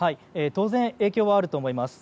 当然、影響はあると思います。